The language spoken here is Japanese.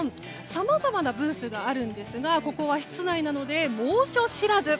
さまざまなブースがあるんですがここは室内なので猛暑知らず。